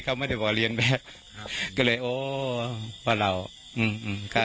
เข้าไม่ได้บอกเรียนแบบก็เลยโอ้วพ่อเรา้อ้ออืมฮ่า